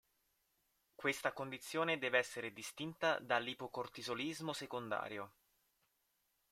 Questa condizione deve essere distinta dall'ipocortisolismo secondario.